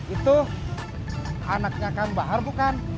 itu anaknya kang bahar bukan